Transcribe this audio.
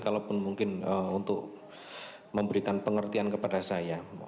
kalaupun mungkin untuk memberikan pengertian kepada saya